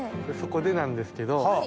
そこでなんですけど。